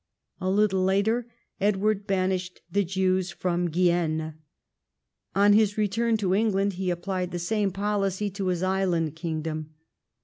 A little later Edward banished the Jews from Guienne. On his return to England, he ap})lied the same policy to his island kingdom.